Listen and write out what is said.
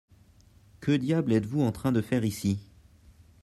Que diable êtes-vous en train de faire ici ?